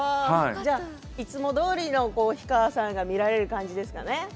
いつもどおりの氷川さんが見られる感じですかね。